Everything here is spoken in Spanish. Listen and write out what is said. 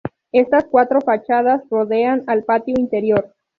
Estas cuatro fachadas rodean al patio interior.